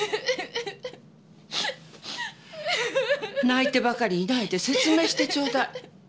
泣いてばかりいないで説明してちょうだい。